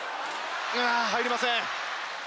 ああ、入りません。